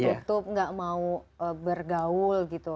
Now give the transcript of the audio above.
tertutup tidak mau bergaul gitu